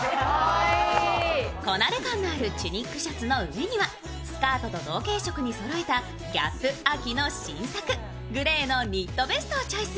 こなれ感のあるチュニックスカートの下にはスカートと同系色にそろえた、ＧＡＰ秋の新作、グレーのニットベストをチョイス。